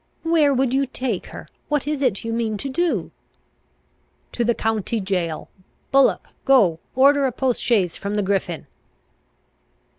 "Where would you take her? What is it you mean to do?" "To the county jail. Bullock, go, order a post chaise from the Griffin!"